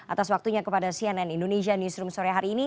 atas waktunya kepada cnn indonesia newsroom sore hari ini